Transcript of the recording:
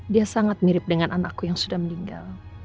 dia sangat mirip dengan anakku yang sudah meninggal